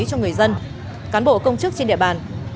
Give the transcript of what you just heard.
cho người dân cán bộ công chức trên địa bàn